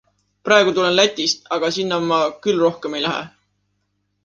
Praegu tulen Lätist, aga sinna ma küll rohkem ei lähe.